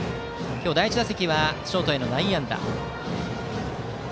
第１打席はショートへの内野安打。